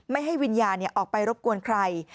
ให้วิญญาณออกไปรบกวนใคร